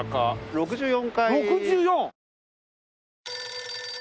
６４！